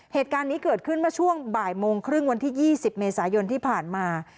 เหตุการณ์นี้เกิดขึ้นเมื่อช่วงบ่ายโมงครึ่งวันที่๒๐เมษายนที่ผ่านมา